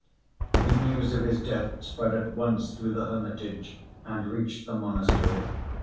The news of his death spread at once through the hermitage and reached the monastery.